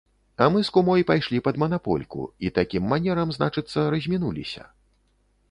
А мы з кумой пайшлі пад манапольку і такім манерам, значыцца, размінуліся.